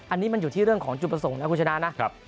อันนี้มันอยู่ที่เรื่องของจุปสรงแล้วก้นชนะนะครับ